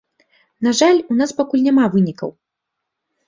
На жаль, у нас пакуль няма вынікаў.